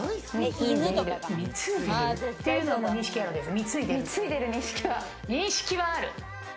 貢いでる認識はある。